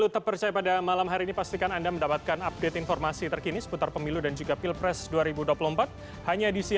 terima kasih bu diyu